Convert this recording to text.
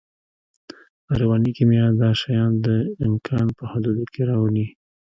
رواني کیمیا دا شیان د امکان په حدودو کې راولي